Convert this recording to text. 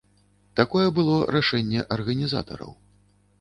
Такое было рашэнне арганізатараў.